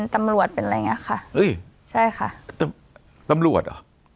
ตำรวจเป็นอะไรอย่างนี้ค่ะใช่ค่ะตำรวจอ๋อ